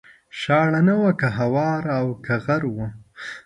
شاړه نه وه که هواره او که غر و